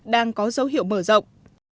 đang có dấu hiệu mở rộng